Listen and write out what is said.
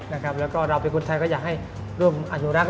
แล้วก็เราเป็นคนไทยก็อยากให้ร่วมอนุรักษ์